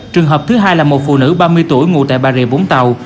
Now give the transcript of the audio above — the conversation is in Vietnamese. trường hợp thứ hai là một phụ nữ ba mươi tuổi ngụ tại bà rìa vốn tàu